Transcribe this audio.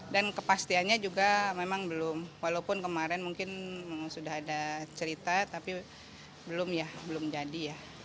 dan kepastiannya juga memang belum walaupun kemarin mungkin sudah ada cerita tapi belum ya belum jadi ya